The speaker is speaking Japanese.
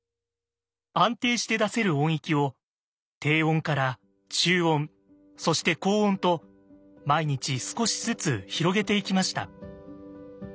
安定して出せる音域を低音から中音そして高音と毎日少しずつ広げていきました。